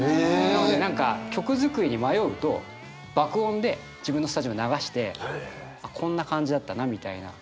なので何か曲作りに迷うと爆音で自分のスタジオで流してあっこんな感じだったなみたいな。